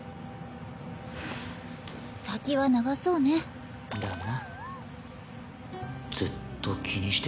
ふぅ先は長そうね。だな。